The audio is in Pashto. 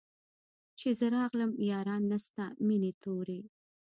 چي زه راغلم ياران نسته مېني توري